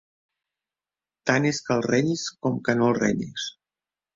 Tant és que el renyis com que no el renyis.